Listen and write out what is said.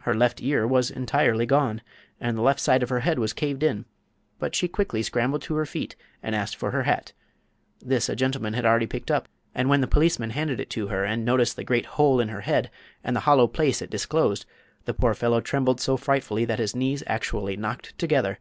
Her left ear was entirely gone, and the left side of her head was caved in; but she quickly scrambled to her feet and asked for her hat. This a gentleman had already picked up, and when the policeman handed it to her and noticed the great hole in her head and the hollow place it disclosed, the poor fellow trembled so frightfully that his knees actually knocked together.